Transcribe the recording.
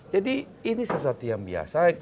jadi ini sesatian biasa